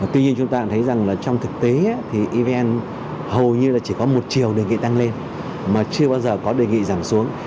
tuy nhiên chúng ta thấy rằng trong thực tế thì evn hầu như chỉ có một triều đề nghị tăng lên mà chưa bao giờ có đề nghị giảm xuống